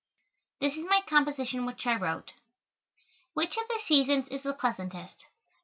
This is my composition which I wrote: "Which of the seasons is the pleasantest?